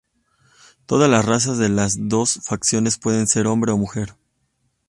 Todas las razas de las dos facciones pueden ser hombre o mujer.